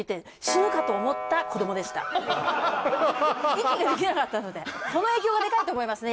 息ができなかったのでその影響がデカいと思いますね